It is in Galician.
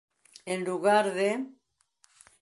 En lugar de...